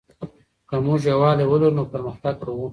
که موږ یووالی ولرو نو پرمختګ کوو.